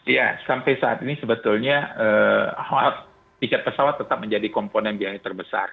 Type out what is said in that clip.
ya sampai saat ini sebetulnya tiket pesawat tetap menjadi komponen biaya terbesar